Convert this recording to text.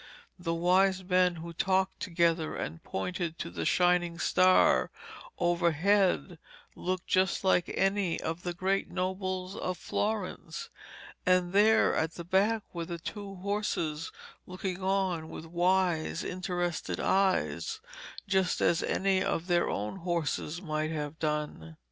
The wise men who talked together and pointed to the shining star overhead looked just like any of the great nobles of Florence. And there at the back were the two horses looking on with wise interested eyes, just as any of their own horses might have done.